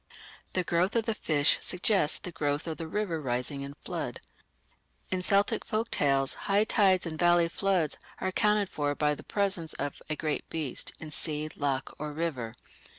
The growth of the fish suggests the growth of the river rising in flood. In Celtic folk tales high tides and valley floods are accounted for by the presence of a "great beast" in sea, loch, or river.